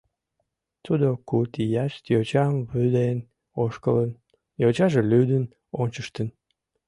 Тудо куд ияш йочам вӱден ошкылын, йочаже лӱдын ончыштын.